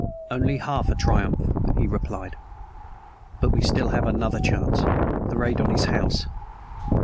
"Only half a triumph," he replied. "But we still have another chance the raid on his house.